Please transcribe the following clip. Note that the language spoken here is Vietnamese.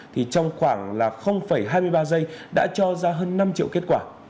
thì trong khoảng là hai mươi ba giây đã cho ra hơn năm triệu kết quả